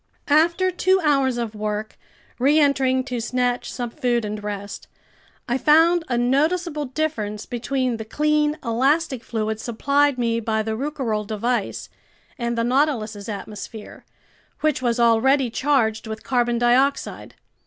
After two hours of work, reentering to snatch some food and rest, I found a noticeable difference between the clean elastic fluid supplied me by the Rouquayrol device and the Nautilus's atmosphere, which was already charged with carbon dioxide.